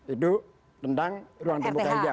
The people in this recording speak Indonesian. itu tentang ruang terbuka hijau